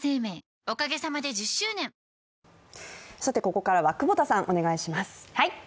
ここからは久保田さん、お願いします。